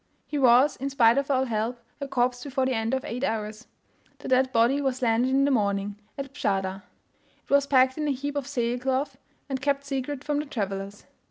He was, in spite of all help, a corpse before the end of eight hours. The dead body was landed in the morning, at Bschada; it was packed in a heap of sail cloth, and kept secret from the travellers.